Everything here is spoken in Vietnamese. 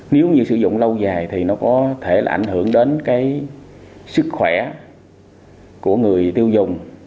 nếu như sử dụng lâu dài thì nó có thể là ảnh hưởng đến cái sức khỏe của người tiêu dùng